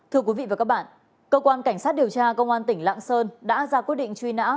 thưa quý vị và các bạn cơ quan cảnh sát điều tra công an tỉnh lạng sơn đã ra quyết định truy nã